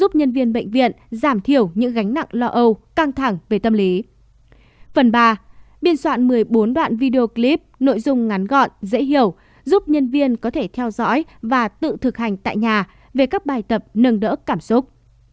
phần ba biên soạn một mươi bốn đoạn video clip nội dung ngắn gọn dễ hiểu giúp nhân viên có thể theo dõi và tự thực hành tại nhà về các bài tập nâng đỡ cảm xúc